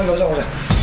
gak usah gak usah